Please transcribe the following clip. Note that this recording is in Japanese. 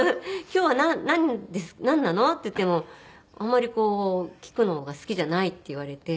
「今日はなんなの？」って言ってもあんまりこう聞くのが好きじゃないって言われて。